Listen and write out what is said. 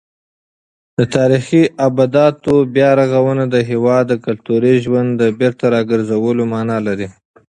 د تاریخي ابداتو بیارغونه د هېواد د کلتوري ژوند د بېرته راګرځولو مانا لري.